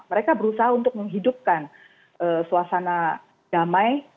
mereka berusaha untuk menghidupkan suasana damai